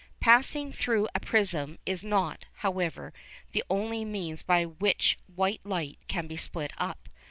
Passing through a prism is not, however, the only means by which white light can be split up.